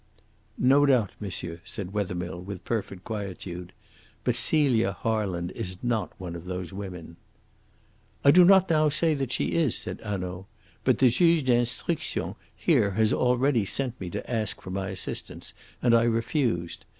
"No doubt, monsieur," said Wethermill, with perfect quietude. "But Celia Harland is not one of those women." "I do not now say that she is," said Hanaud. "But the Juge d'instruction here has already sent to me to ask for my assistance, and I refused.